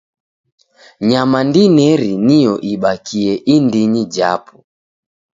Nyama ndineri nio ibakie indinyi japo.